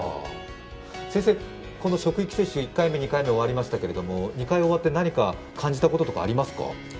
先生、この職域接種、１回目、２回目終わりましたけど、２回目終わって何か感じたことはありますか？